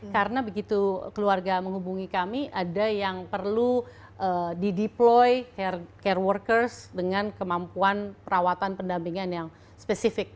karena begitu keluarga menghubungi kami ada yang perlu di deploy care workers dengan kemampuan perawatan pendampingan yang spesifik